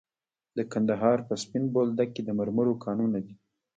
د کندهار په سپین بولدک کې د مرمرو کانونه دي.